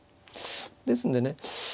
ですんでね